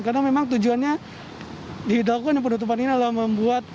karena memang tujuannya dihidupkan penutupan ini adalah membuat